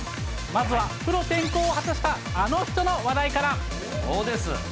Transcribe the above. まずはプロ転向を果たした、あの人の話題から。